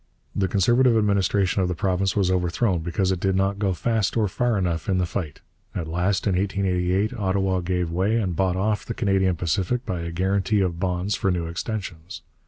The Conservative administration of the province was overthrown because it did not go fast or far enough in the fight. At last, in 1888, Ottawa gave way and bought off the Canadian Pacific by a guarantee of bonds for new extensions.